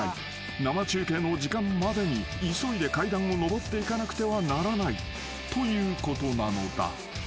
生中継の時間までに急いで階段を上っていかなくてはならないということなのだ］